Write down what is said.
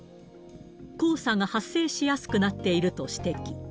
黄砂が発生しやすくなっていると指摘。